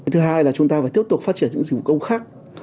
thứ hai là chúng ta phải tiếp tục phát triển những dịch vụ công khác